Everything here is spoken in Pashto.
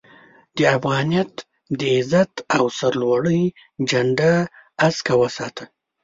د افغانيت د عزت او سر لوړۍ جنډه هسکه وساته